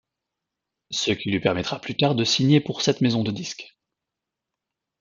Ce qui lui permettra plus tard de signer pour cette maison de disques.